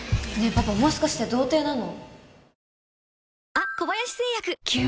パパもしかして童貞なの？